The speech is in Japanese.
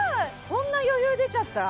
こんな余裕出ちゃった？